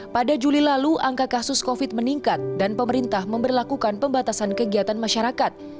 pada juli lalu angka kasus covid meningkat dan pemerintah memperlakukan pembatasan kegiatan masyarakat